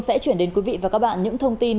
sẽ chuyển đến quý vị và các bạn những thông tin